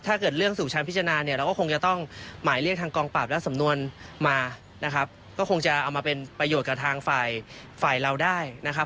ก็คงจะเอามาเป็นประโยชน์กับทางฝ่ายเราได้นะครับ